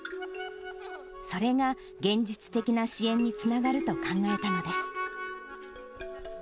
それが現実的な支援につながると考えたのです。